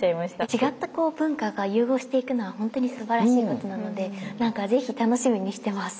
違った文化が融合していくのはほんとにすばらしいことなので何か是非楽しみにしてます。